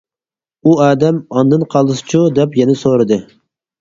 ئۇ ئادەم: ئاندىن قالسىچۇ؟ دەپ يەنە سورىدى.